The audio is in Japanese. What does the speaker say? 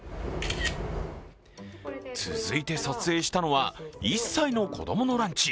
続いて撮影したのは、１歳の子供のランチ。